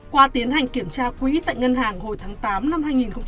qua tiến hành kiểm tra quỹ tại ngân hàng hồi tháng tám năm hai nghìn một mươi chín